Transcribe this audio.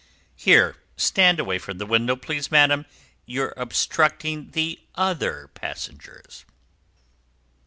Here, stand away from the window, please, madam; you're obstructing the other passengers!"